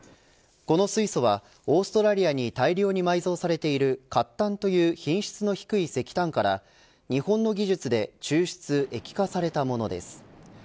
この水素はオーストラリアに大量に埋蔵されている褐炭という品質の低い石炭から日本の技術で抽出液化されたものです。